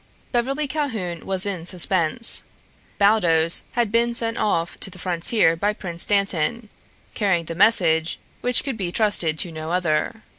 Beverly Calhoun was in suspense. Baldos had been sent off to the frontier by Prince Dantan, carrying the message which could be trusted to no other.